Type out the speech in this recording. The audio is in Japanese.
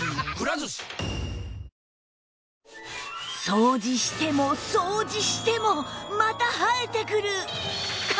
掃除しても掃除してもまた生えてくる